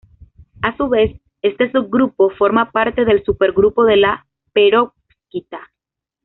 A su vez, este subgrupo forma parte del supergrupo de la perovskita.